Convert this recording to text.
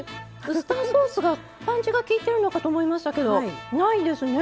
ウスターソースがパンチがきいてるのかと思いましたけどないですね。